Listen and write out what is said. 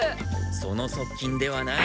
その即金ではない。